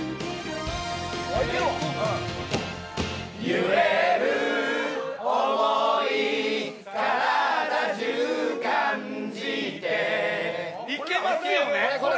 揺れる想い体じゅう感じていけますよね？